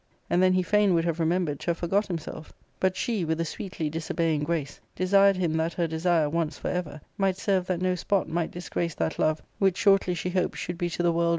And then he fain would have remembered to have forgot himself.* But sl^e, with a sweetly disobeying grace, desired him that her desire, once for ever, might serve that no spot might disgrace that love which shortly she hoped should be to the world warrantable.